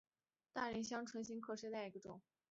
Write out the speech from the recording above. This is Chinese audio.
大萼铃子香为唇形科铃子香属下的一个种。